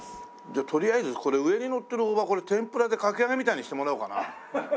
じゃあとりあえずこれ上にのってる大葉これ天ぷらでかき揚げみたいにしてもらおうかな。